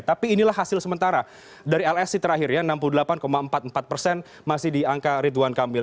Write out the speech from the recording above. tapi inilah hasil sementara dari lsi terakhir ya enam puluh delapan empat puluh empat persen masih di angka ridwan kamil